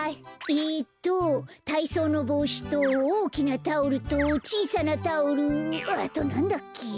えっとたいそうのぼうしとおおきなタオルとちいさなタオルあとなんだっけ？